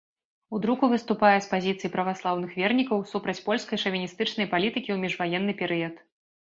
У друку выступае з пазіцый праваслаўных вернікаў, супраць польскай шавіністычнай палітыкі ў міжваенны перыяд.